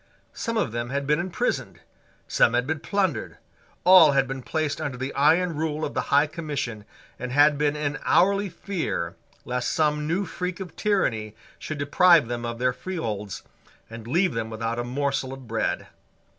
Some of them had been imprisoned: some had been plundered: all had been placed under the iron rule of the High Commission, and had been in hourly fear lest some new freak of tyranny should deprive them of their freeholds and leave them without a morsel of bread.